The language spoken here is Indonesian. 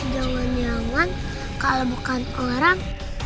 jangan jangan kalo bukan orang